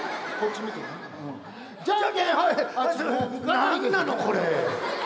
何なのこれ！